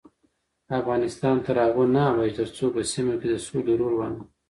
افغانستان تر هغو نه ابادیږي، ترڅو په سیمه کې د سولې رول وانخلو.